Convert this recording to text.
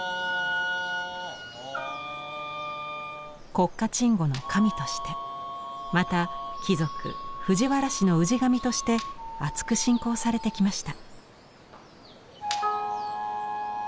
国家鎮護の神としてまた貴族藤原氏の氏神としてあつく信仰されてきました。